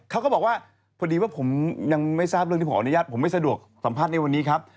เขาก็บอกว่าพอดีว่าผมยังไม่ทราบเรื่องที่ผมอนุญาตผมไม่สะดวกสัมภาษณ์ในวันนี้ครับ